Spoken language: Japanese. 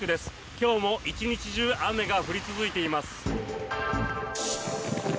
今日も一日中雨が降り続いています。